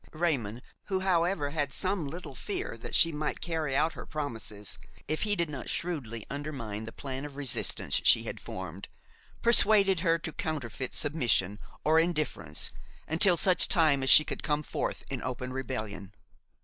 Raymon, who however had some little fear that she might carry out her promises if he did not shrewdly undermine the plan of resistance she had formed, persuaded her to counterfeit submission or indifference until such time as she could come forth in open rebellion.